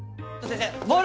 先生！